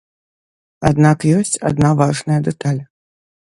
Аднак ёсць адна важная дэталь.